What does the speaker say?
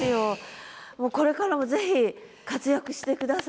これからもぜひ活躍して下さい。